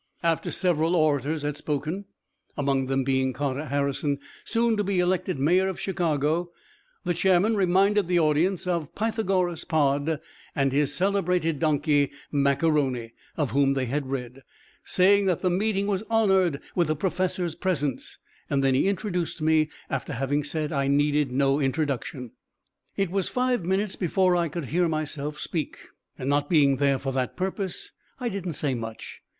After several orators had spoken, among them being Carter Harrison, soon to be elected Mayor of Chicago, the chairman reminded the audience of Pythagoras Pod and his celebrated donkey, Mac A'Rony, of whom they had read, saying that the meeting was honored with the Professor's presence; then he introduced me, after having said I needed no introduction. It was five minutes before I could hear myself speak, and, not being there for that purpose, I didn't say much.